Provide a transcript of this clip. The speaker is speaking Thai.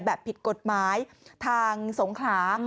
แบบผิดกฎหมายทางสงขา